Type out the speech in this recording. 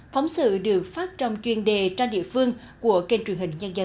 phóng sự được phát trong chuyên đề trang địa phương của kênh truyền hình nhân dân